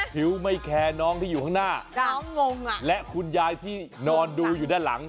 ผิวไม่แคร์น้องที่อยู่ข้างหน้าน้องงงอ่ะและคุณยายที่นอนดูอยู่ด้านหลัง